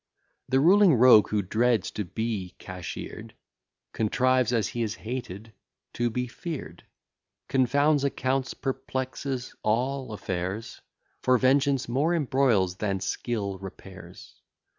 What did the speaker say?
The ruling rogue, who dreads to be cashler'd, Contrives, as he is hated, to be fear'd; Confounds accounts, perplexes all affairs: For vengeance more embroils, than skill repairs.